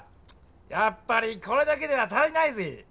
やっぱりこれだけでは足りないぜぇ！